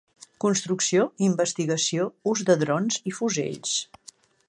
Construcció, investigació, ús de drons i fusells.